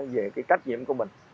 về cái trách nhiệm của mình